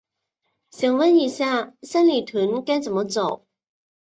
想问一下，三里屯该怎么走？